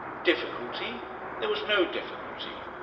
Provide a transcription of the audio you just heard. Difficulty! There was no difficulty.